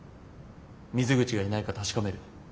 水口がいないか確かめる。